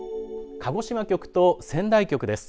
鹿児島局と仙台局です。